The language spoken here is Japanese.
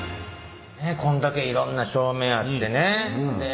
こんだけいろんな照明あってねで